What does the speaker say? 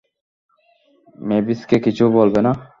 মেভিসকে কিছু বলবে না।